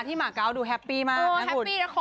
หมากเก้าดูแฮปปี้มาก